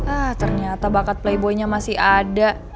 ah ternyata bakat playboinya masih ada